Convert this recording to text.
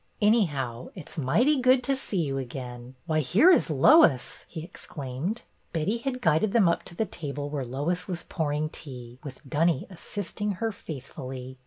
" Anyhow, it 's mighty good to see you again. Why, here is Lois !" he exclaimed. Betty had guided them up to the table where Lois was pouring tea, with Dunny assisting her faithfully.